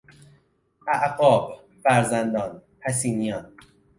اعقاب، فرزندان، پسینیان